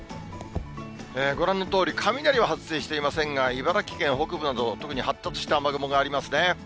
ご覧のとおり、雷は発生していませんが、茨城県北部など特に発達した雨雲がありますね。